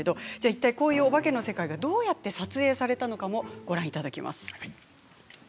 こういうおばけの世界がどうやって撮影されたのかご覧ください。